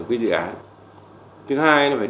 các dự án thứ hai là phải